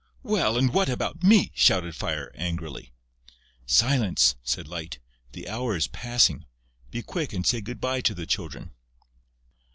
"Well, and what about me?" shouted Fire, angrily. "Silence!" said Light. "The hour is passing.... Be quick and say good bye to the Children...."